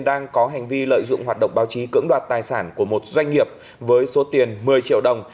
đang có hành vi lợi dụng hoạt động báo chí cưỡng đoạt tài sản của một doanh nghiệp với số tiền một mươi triệu đồng